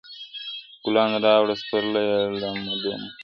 ګلان راوړه سپرلیه له مودو مودو راهیسي-